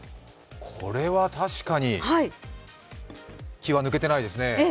これは確かに気は抜けてないですね。